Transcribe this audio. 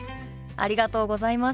ありがとうございます。